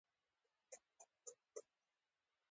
احمدشاه بابا د فرهنګي ارزښتونو ساتنه کړی.